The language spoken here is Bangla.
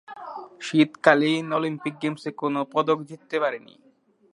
শীতকালীন অলিম্পিক গেমসে কোন পদক জিততে পারেনি।